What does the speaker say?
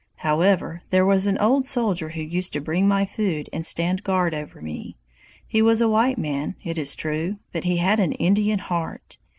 "However, there was an old soldier who used to bring my food and stand guard over me he was a white man, it is true, but he had an Indian heart!